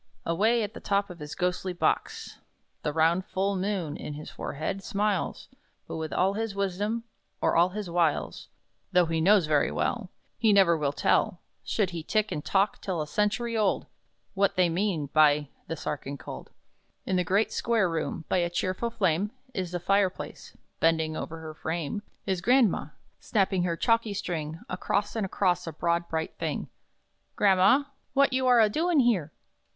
Away at the top of his ghostly box; The round Full Moon (in his forehead) smiles; But with all his wisdom, or all his wiles, Though he knows very well, He never will tell Should he tick and tock till a century old What they mean by The Sa archinkold! In the great, square room, by a cheerful flame In the fire place, bending above her frame, Is grandma, snapping her chalky string Across and across a broad, bright thing. "Gramma, what you are a doin' here?"